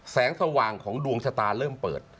สว่างของดวงชะตาเริ่มเปิด